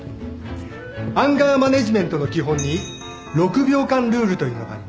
アンガーマネジメントの基本に６秒間ルールというのがあります